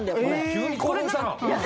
急に興奮したな